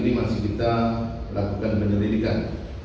jadi masih kita lakukan penyelidikan